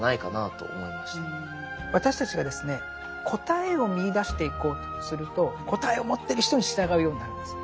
私たちがですね答えを見いだしていこうとすると答えを持ってる人に従うようになるんです。